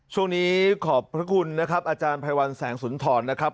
ช่วงนี้ขอบพระคุณนะครับอาจารย์ภัยวัลแสงสุนถอนนะครับ